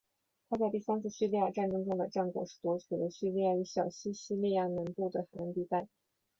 他在第三次叙利亚战争中的战果是夺取了叙利亚与小亚细亚西南部的海岸地带。